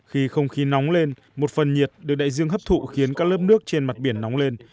khi không khí nóng lên một phần nhiệt được đại dương hấp thụ khiến các lớp nước trên mặt biển nóng lên